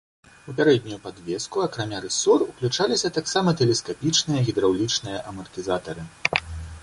У пярэднюю падвеску акрамя рысор ўключаліся таксама тэлескапічныя гідраўлічныя амартызатары.